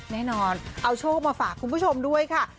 แน่นอนเอาโชคมาฝากคุณผู้ชมด้วยค่ะ